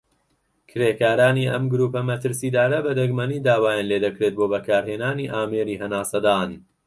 کرێکارانی ئەم گرووپە مەترسیدارە بە دەگمەنی داوایان لێدەکرێت بۆ بەکارهێنانی ئامێری هەناسەدان.